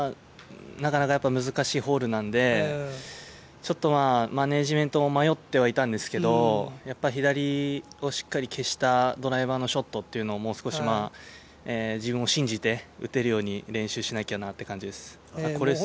なかなか難しいホールなんでちょっとマネージメントも迷ってはいたんですけど、やっぱ左をしっかり消したドライバーのショットっていうのをもう少し自分を信じて打てるように練習しなきゃなって感じです。